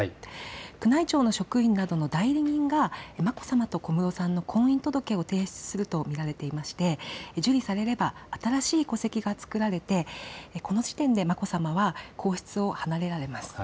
宮内庁の職員などの代理人が眞子さまと小室さんの婚姻届を提出すると見られていまして受理されれば新しい戸籍が作られて、この時点で眞子さまは皇室を離れられます。